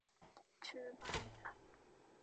출발하자.